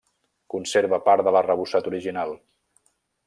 Conserva part de l'arrebossat original.